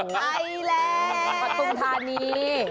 ไทยแลนด์